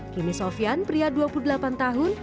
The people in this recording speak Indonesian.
kini sofian pria dua puluh delapan tahun